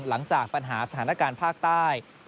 หลังจากปัญหาสถานการณ์ภาคใต้